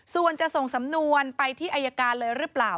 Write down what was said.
ส่วนจะส่งสำนวนไปที่อายการเลยหรือเปล่า